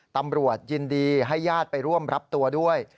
ตำรวจยินดีให้ญาติไปร่วมรับตัวด้วย